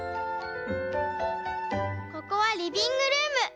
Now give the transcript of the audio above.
「ここはリビングルーム。